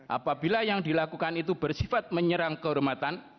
apabila yang dilakukan itu bersifat menyerang kehormatan